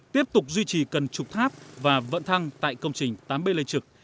tiếp tục duy trì cân trục tháp và vận thăng tại công trình tám b lê trực